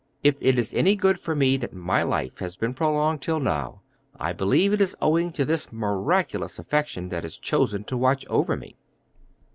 If it is any good for me that my life has been prolonged till now, I believe it is owing to this miraculous affection that has chosen to watch over me."